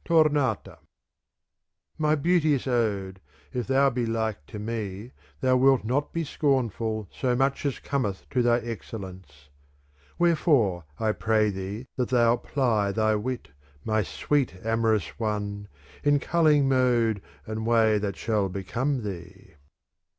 * Tomata My beauteous ode, if thou be like to me, thou wilt not be scornful so much as cometh ^ to thy excellence : Wherefore I pray thee that thou ply thy wit, my sweet amorous one, in culling mode and way that shall become thee.